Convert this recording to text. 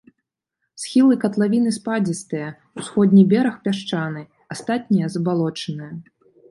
Схілы катлавіны спадзістыя, усходні бераг пясчаны, астатнія забалочаныя.